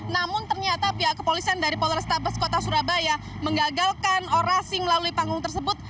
namun ternyata pihak kepolisian dari polrestabes kota surabaya mengagalkan orasi melalui panggung tersebut